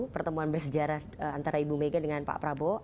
pertemuan bersejarah antara ibu mega dengan pak prabowo